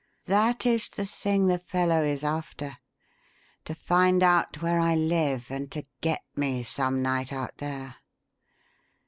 That is the thing the fellow is after. To find out where I live and to 'get' me some night out there.